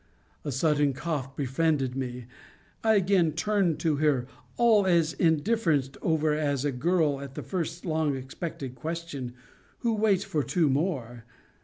A sudden cough befriended me; I again turned to her, all as indifferenced over as a girl at the first long expected question, who waits for two more.